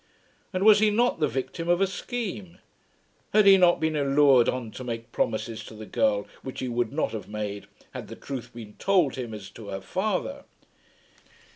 And was he not the victim of a scheme? Had he not been allured on to make promises to the girl which he would not have made had the truth been told him as to her father?